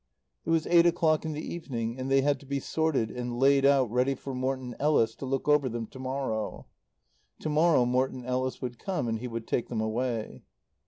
It was eight o'clock in the evening, and they had to be sorted and laid out ready for Morton Ellis to look over them to morrow. To morrow Morton Ellis would come, and he would take them away.